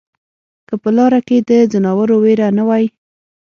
که په لاره کې د ځناورو وېره نه وای